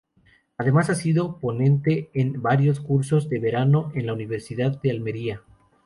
Además, ha sido ponente en varios cursos de verano en la Universidad de Almería.